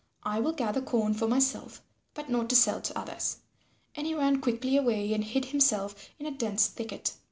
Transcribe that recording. I will gather corn for myself, but not to sell to others." And he ran quickly away and hid himself in a dense thicket.